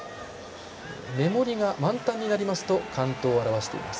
メモリが満タンになりますと完登を表しています。